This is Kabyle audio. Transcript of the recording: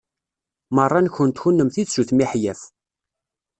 Meṛṛa-nkent kunemti d sut miḥyaf.